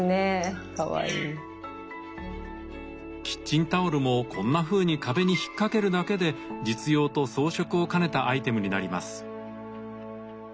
キッチンタオルもこんなふうに壁に引っ掛けるだけで実用と装飾を兼ねたアイテムになります。